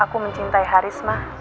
aku mencintai haris ma